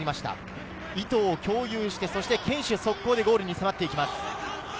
意図を共有して堅守速攻でゴールに迫っていきます。